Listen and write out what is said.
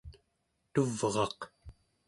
tuvraq